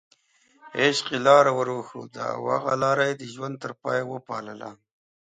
عشق یې لاره ورښوده او هغه لاره یې د ژوند تر پایه وپالله.